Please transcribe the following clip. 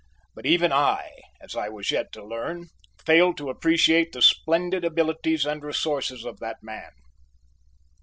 But even I, as I was yet to learn, failed to appreciate the splendid abilities and resources of that man.